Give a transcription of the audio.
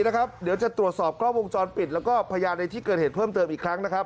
เดี๋ยวจะตรวจสอบกล้องวงจรปิดแล้วก็พยานในที่เกิดเหตุเพิ่มเติมอีกครั้งนะครับ